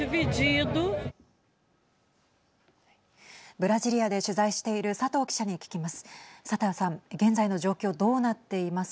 ブラジリアで取材している佐藤記者に聞きます。